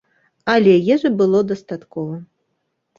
Але ежы было дастаткова.